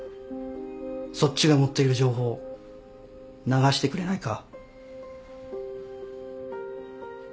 そっちが持っている情報を流してくれないか？